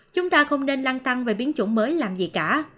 chúng ta không nên lăng tăng về biến chủng mới làm gì cả